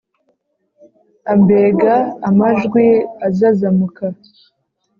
ambega amajwi azazamuka,